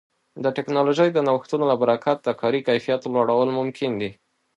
د ټکنالوژۍ د نوښتونو له برکت د کاري کیفیت لوړول ممکن دي.